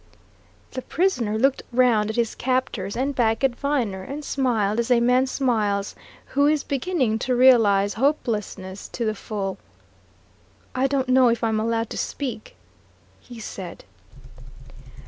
The prisoner looked round at his captors, and back at Viner, and smiled as a man smiles who is beginning to realize hopelessness to the full. "I don't know if I'm allowed to speak," he said.